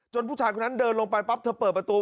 ผู้ชายคนนั้นเดินลงไปปั๊บเธอเปิดประตู